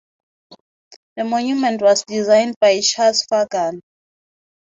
The monument was designed by Chas Fagan.